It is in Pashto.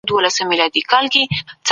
سردرد د ژوند کیفیت اغېزمنوي.